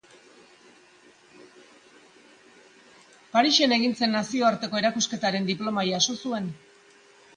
Parisen egin zen Nazioarteko erakusketaren diploma jaso zuen.